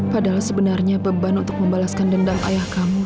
padahal sebenarnya beban untuk membalaskan dendam ayah kamu